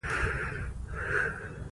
هر هنر باید له دودونو سره ډېره همږغي ولري.